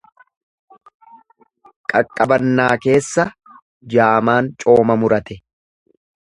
Qaqqabannaa keessa jaamaan cooma murate.